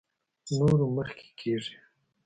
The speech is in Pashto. نورو مخکې کېږي.